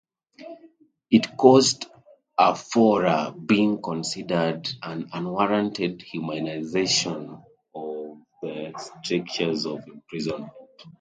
It caused a furore, being considered an unwarranted humanisation of the strictures of imprisonment.